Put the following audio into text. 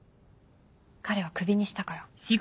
彼はクビにしたから。